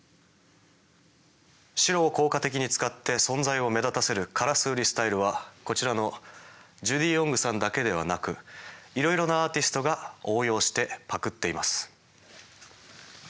白を効果的に使って存在を目立たせるカラスウリスタイルはこちらのジュディ・オングさんだけではなくいろいろなアーティストが応用してパクっています。